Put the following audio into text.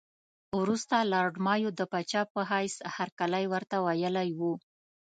وروسته لارډ مایو د پاچا په حیث هرکلی ورته ویلی وو.